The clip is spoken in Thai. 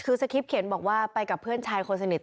คือสคริปตเขียนบอกว่าไปกับเพื่อนชายคนสนิท